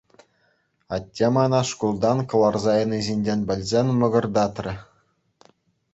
Атте мана шкултан кӑларса яни ҫинчен пӗлсен мӑкӑртатрӗ.